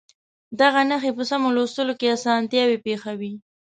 دغه نښې په سمو لوستلو کې اسانتیا پېښوي.